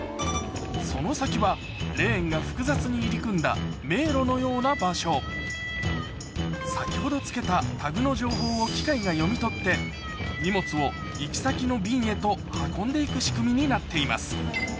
その先はレーンが複雑に入り組んだ迷路のような場所先ほど付けたタグの情報を機械が読み取って荷物を行き先の便へと運んで行く仕組みになっています